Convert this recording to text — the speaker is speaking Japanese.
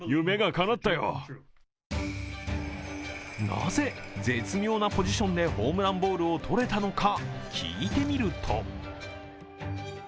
なぜ絶妙なポジションでホームランボールを取れたのか。